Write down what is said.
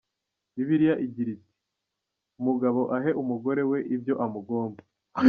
Bibiliya igira iti “umugabo ahe umugore we ibyo amugomba.